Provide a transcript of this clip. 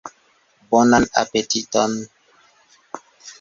Bonan apetiton!